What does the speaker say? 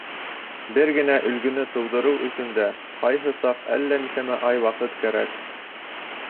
Бер генә өлгөнө тыуҙырыу өсөн дә ҡайһы саҡ әллә нисәмә ай ваҡыт кәрәк.